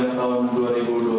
kalau begitu ya